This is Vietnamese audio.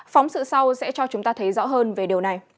phóng sự sau sẽ cho chúng ta thấy rõ hơn về điều này